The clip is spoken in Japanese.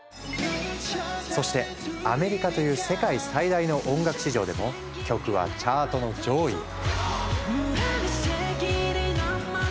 そしてアメリカという世界最大の音楽市場でも曲はチャートの上位へ。